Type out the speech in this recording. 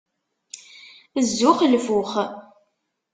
Zzux, lfux!